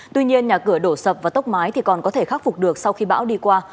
tuy nhiên nhà cửa đổ sập và tốc mái thì còn có thể khắc phục được sau khi bão đi qua